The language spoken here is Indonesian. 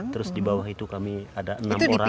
terus dibawah itu kami ada enam orang